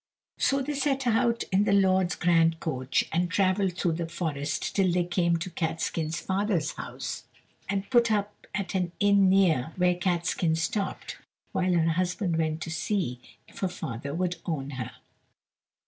So they set out in the lord's grand coach, and travelled through the forest till they came to Catskin's father's house, and put up at an inn near, where Catskin stopped, while her husband went to see if her father would own her.